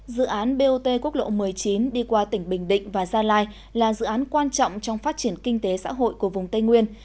dự án bot quốc lộ một mươi chín đi qua tỉnh bình định và gia lai là dự án quan trọng trong phát triển kinh tế xã hội của vùng tây nguyên